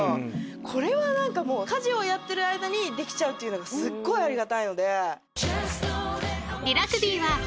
これは何かもう家事をやってる間にできちゃうっていうのがすごいありがたいので。